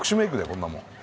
こんなもん。